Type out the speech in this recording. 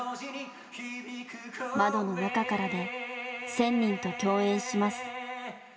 「窓の中から」で１，０００人と共演します。